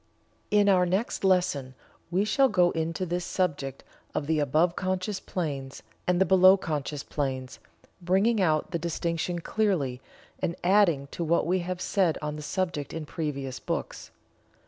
In our next lesson we shall go into this subject of the above conscious planes, and the below conscious planes, bringing out the distinction clearly, and adding to what we have said on the subject in previous books.